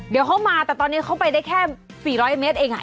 เดี๋ยวเขามาแต่ตอนนี้เขาไปได้แค่๔๐๐เมตรเอง